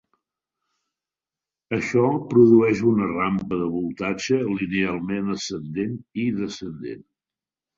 Això produeix una rampa de voltatge linealment ascendent i descendent.